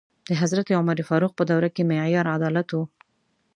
د حضرت عمر فاروق په دوره کې معیار عدالت و.